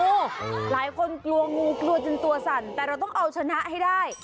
โอ้โหหลายคนกลัวงูกลัวจนตัวสั่นแต่เราต้องเอาชนะให้ได้